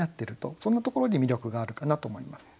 そんなところに魅力があるかなと思います。